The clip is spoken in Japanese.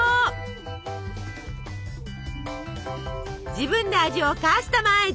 自分で味をカスタマイズ！